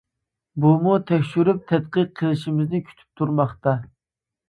بۇمۇ تەكشۈرۈپ تەتقىق قىلىشىمىزنى كۈتۈپ تۇرماقتا.